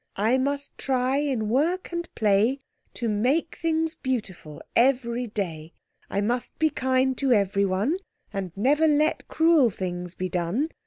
I must try in work and play To make things beautiful every day. I must be kind to everyone, And never let cruel things be done.